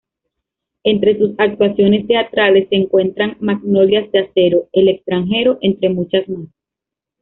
Entre sus actuaciones teatrales se encuentran "Magnolias de acero", "El extranjero", entre muchas más.